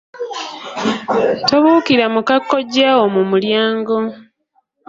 Tobuukira muka kkojjaawo mu mulyango.